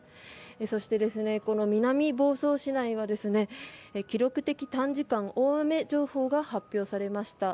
そして、この南房総市内は記録的短時間大雨情報が発表されました。